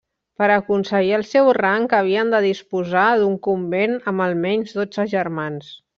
Per aconseguir el seu rang havien de disposar d'un convent amb, almenys, dotze germans.